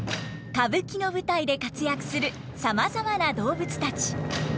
歌舞伎の舞台で活躍するさまざまな動物たち。